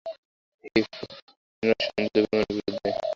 Fifth জেনারেশনের যুদ্ধ বিমানের বিরুদ্ধে।